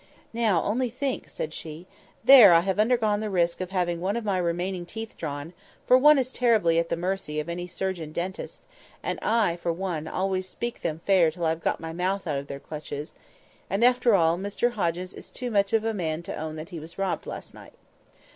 "Now, only think," said she. "There, I have undergone the risk of having one of my remaining teeth drawn (for one is terribly at the mercy of any surgeon dentist; and I, for one, always speak them fair till I have got my mouth out of their clutches), and, after all, Mr Hoggins is too much of a man to own that he was robbed last night."